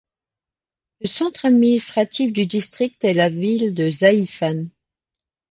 Le centre administratif du district est la ville de Zaïssan.